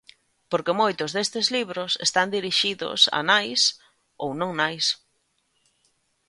Porque moitos destes libros están dirixidos a nais ou non nais.